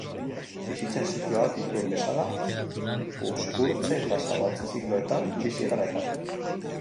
Bizitzak zikloak dituen bezala, uzkurtze eta zabaltze zikloetan bizi gara eta.